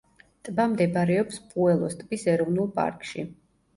ტბა მდებარეობს პუელოს ტბის ეროვნულ პარკში.